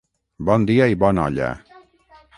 Bon dia i bona olla.